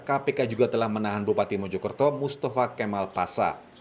kpk juga telah menahan bupati mojokerto mustafa kemal pasa